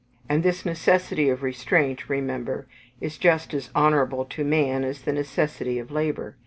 And this necessity of restraint, remember, is just as honourable to man as the necessity of labour.